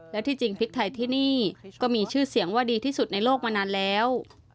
และที่จริงพริกไทยที่นี่ก็มีชื่อเสียงว่าดีที่สุดในโลกมานานแล้ว